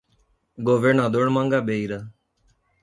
Governador Mangabeira